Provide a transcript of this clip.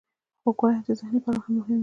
خوږوالی د ذهن لپاره هم مهم دی.